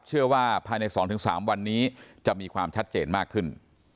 เชื่อว่าภายใน๒๓วันนี้จะมีความชัดเจนมากขึ้น